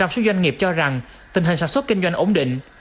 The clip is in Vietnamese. ba mươi bảy năm số doanh nghiệp cho rằng tình hình sản xuất kinh doanh ổn định